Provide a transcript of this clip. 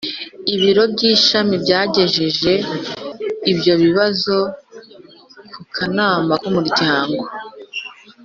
ibiro by ishami byagejeje ibyo bibazo ku kanama k umuryango